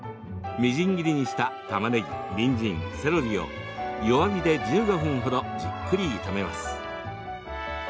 みじん切りにしたたまねぎ、にんじん、セロリを弱火で１５分ほどじっくり炒めます。